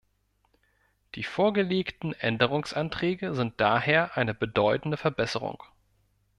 Die vorgelegten Änderungsanträge sind daher eine bedeutende Verbesserung.